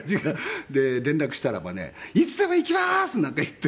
で連絡したらばね「いつでも行きます！」なんか言って。